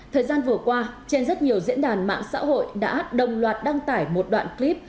thời gian vừa qua trên rất nhiều diễn đàn mạng xã hội đã đồng loạt đăng tải một đoạn clip